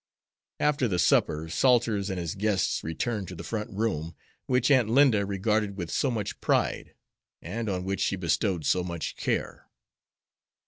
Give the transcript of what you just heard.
After the supper, Salters and his guests returned to the front room, which Aunt Linda regarded with so much pride, and on which she bestowed so much care.